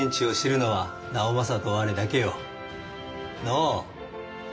のう？